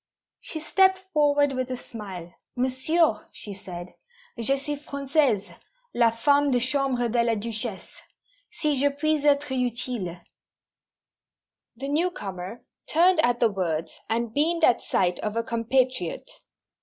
She stepped forward with a smile. "Monsieur," she said, "_Je suis Française, la femme de chambre de la Duchesse. Si je puis être utile _" The newcomer turned at the words, and beamed at sight of a compatriot.